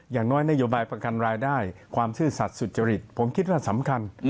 อย่างน้อยนโยบายประกันรายได้ความซื่อสัตว์สุจริตผมคิดว่าสำคัญ